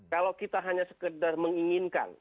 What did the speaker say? kalau kita hanya sekedar menginginkan